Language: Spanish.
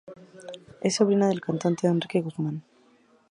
Es sobrina del cantante Enrique Guzmán.